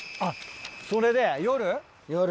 それで夜？